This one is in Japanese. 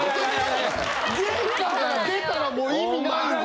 玄関から出たらもう意味ないんです。